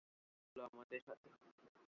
চলো আমাদের সাথে!